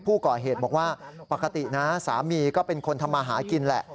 ผู้ก่อเหตุบอกว่าปกตินะสามีก็เป็นคนทำมาหากินแหละ